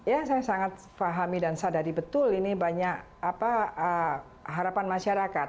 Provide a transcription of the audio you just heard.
ya saya sangat fahami dan sadari betul ini banyak harapan masyarakat